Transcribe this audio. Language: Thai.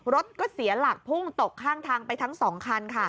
รถก็เสียหลักพุ่งตกทางไปทั้ง๒คัน